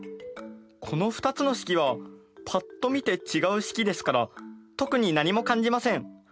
この２つの式はパッと見て違う式ですから特に何も感じません。